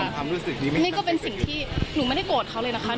นี่ก็เป็นสิ่งที่หนูไม่ได้โกรธเขาเลยนะคะ